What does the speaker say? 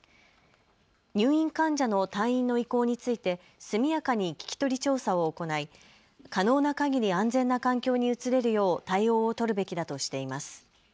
入院患者の退院の意向について速やかに聞き取り調査を行い可能なかぎり安全な環境に移れるよう対応を取るべきだとしています。